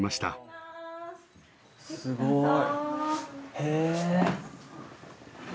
えすごい！